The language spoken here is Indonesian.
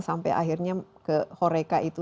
sampai akhirnya ke horeca itu